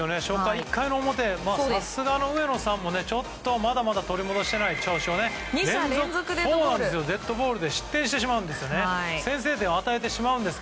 １回の表さすがの上野さんもちょっとまだまだ調子を取り戻していないデッドボールで失点してしまうんです。